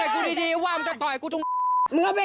เห็นคุณยายใช่มั้ยคะ